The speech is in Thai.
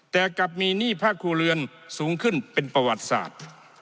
แต่กลับมีหนี้ภาคครัวเรือนสูงขึ้นเป็นประวัติศาสตร์